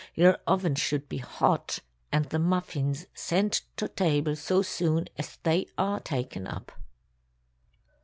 Your oven should be hot, and the muffins sent to table so soon as they are taken up.